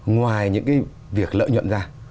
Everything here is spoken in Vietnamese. ngoài những cái việc lợi nhuận ra